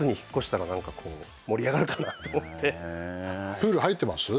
プール入ってます？